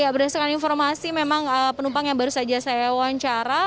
berdasarkan informasi memang penumpang yang baru saja saya wawancara